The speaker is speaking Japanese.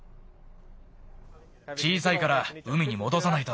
小さいから海にもどさないと。